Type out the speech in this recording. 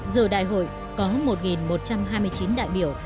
giờ đại hội có một một trăm hai mươi chín đại biểu